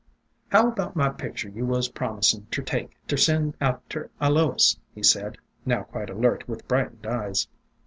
... "How about my picture you was promisin' ter take, ter send out ter A lois?" he asked, now quite alert, with brightened eyes.